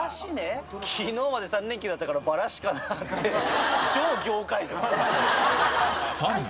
きのうまで３連休だったからバラシかなって、さらに。